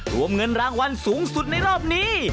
รวมเงินรางวัลสูงสุดในรอบนี้